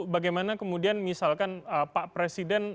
bagaimana kemudian misalkan pak presiden